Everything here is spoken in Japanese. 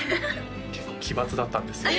結構奇抜だったんですよ